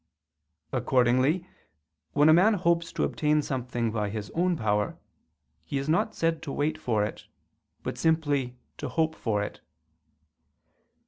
Accordingly when a man hopes to obtain something by his own power, he is not said to wait for it, but simply to hope for it.